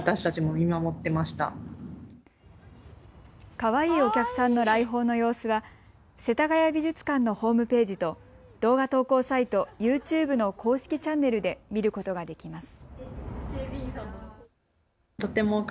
かわいいお客さんの来訪の様子は世田谷美術館のホームページと動画投稿サイト、ＹｏｕＴｕｂｅの公式チャンネルで見ることができます。